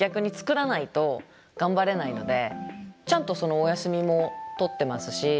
ちゃんとお休みも取ってますし。